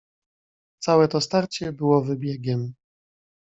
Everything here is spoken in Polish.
"Całe to starcie było wybiegiem."